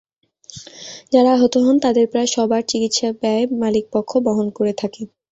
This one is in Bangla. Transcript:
যাঁরা আহত হন, তাঁদের প্রায় সবার চিকিৎসা ব্যয় মালিকপক্ষ বহন করে থাকে।